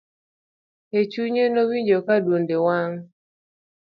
e chunye nowinjo ka duonde wang